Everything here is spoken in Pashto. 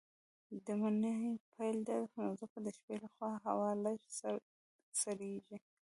د مني پيل دی نو ځکه د شپې لخوا هوا لږ څه سړييږي.